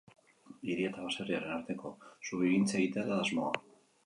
Hiria eta baserriaren arteko zubigintza egitea da asmoa.